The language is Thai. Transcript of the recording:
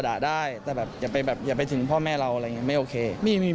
ด่าเราอะด่าได้แต่อย่าไปถึงพ่อแม่เราอะไรอย่างนี้ไม่โอเค